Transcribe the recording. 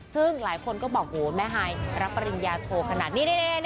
ซึ่งหลายคนก็บอกโหแม่ฮายรับปริญญาโทขนาดนี้